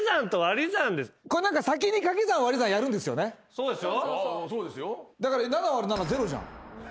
そうですよ。